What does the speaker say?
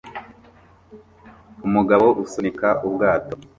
Umugabo usunika ubwato